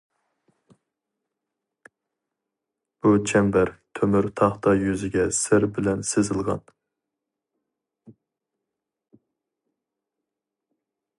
بۇ چەمبەر تۆمۈر تاختاي يۈزىگە سىر بىلەن سىزىلغان.